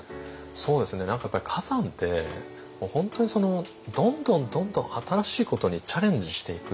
そうですね何かやっぱり崋山って本当にどんどんどんどん新しいことにチャレンジしていく。